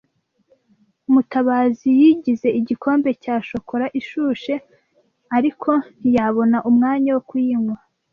Mutabazi yigize igikombe cya shokora ishushe, ariko ntiyabona umwanya wo kuyinywa.